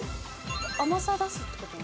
甘さ出すって事？